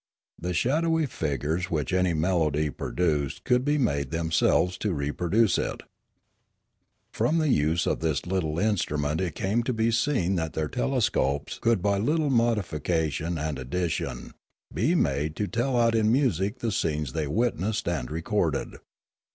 The shadowy figures which any melody pro duced could be made themselves to reproduce it. 226 Limanora From the use of this little instrument it came to be seen that their telescopes could by a little modifica tion and addition be made to tell out in music the scenes they witnessed and recorded.